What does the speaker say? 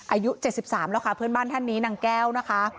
อายุ๗๓แล้วค่ะเพื่อนบ้านท่านนี้นางแก้วนะคะ